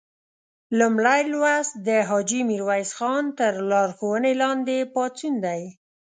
لومړی لوست د حاجي میرویس خان تر لارښوونې لاندې پاڅون دی.